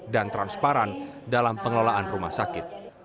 dan transparan dalam pengelolaan rumah sakit